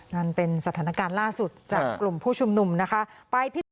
นั่นเป็นสถานการณ์ล่าสุดจากกลุ่มผู้ชุมนุมนะคะ